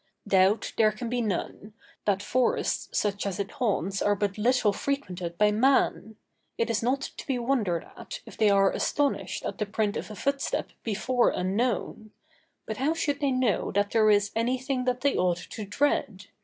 Doubt there can be none, that forests such as it haunts are but little frequented by man! It is not to be wondered at, if they are astonished at the print of a footstep before unknown; but how should they know that there is anything that they ought to dread?